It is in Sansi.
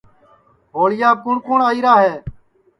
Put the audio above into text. ہوݪیاپ کُوٹؔ کُوٹؔ آئیرا ہے